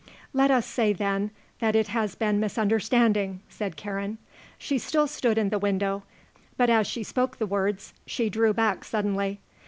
"Let us say, then, that it has been misunderstanding," said Karen. She still stood in the window, but as she spoke the words she drew back suddenly.